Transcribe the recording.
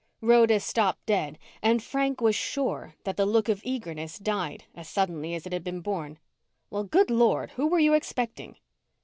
Rhoda stopped dead and Frank was sure that the look of eagerness died as suddenly as it had been born. "Well, good lord! Whom were you expecting?"